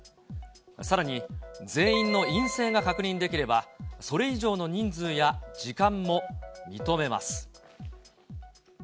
さらに全員の陰性が確認できれば、それ以上の人数や時間も認めます。